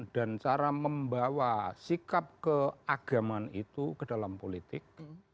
dan cara membawa sikap keagaman itu ke dalam politik